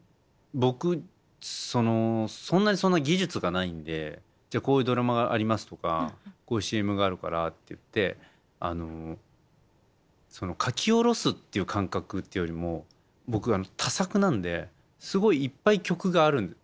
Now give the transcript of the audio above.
僕そんな技術がないんで「こういうドラマがあります」とか「こういうＣＭがあるから」っていって書き下ろすっていう感覚っていうよりも僕多作なんですごいいっぱい曲がある。